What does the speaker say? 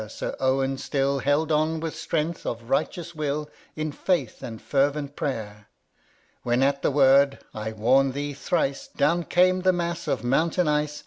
Sir Owen still Held on with strength of righteous will, In faith and fervent prayer ; When at the word, " I warn thee thrice '" Down came the mass of mountain ice.